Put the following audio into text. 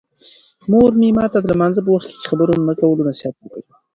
مور مې ماته د لمانځه په وخت د خبرو نه کولو نصیحت وکړ.